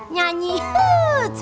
nyanyi juara satu